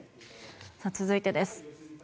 続いてです。